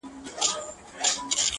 صوفي او حاکم-